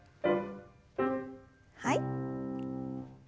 はい。